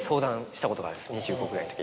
２５ぐらいの時。